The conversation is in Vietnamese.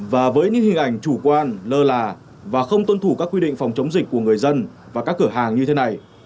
và với những hình ảnh chủ quan lơ là và không tuân thủ các quy định phòng chống dịch của người dân và các cửa hàng như thế này